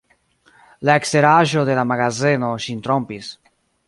La eksteraĵo de la magazeno ŝin trompis.